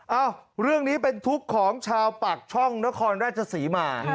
เอ้าเรื่องนี้เป็นทุกข์ของชาวปากช่องนครราชศรีมา